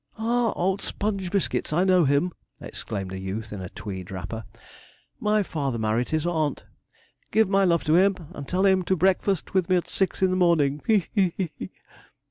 'Ah! old sponge biscuits! I know him!' exclaimed a youth in a Tweed wrapper. 'My father married his aunt. Give my love to him, and tell him to breakfast with me at six in the morning he! he! he!'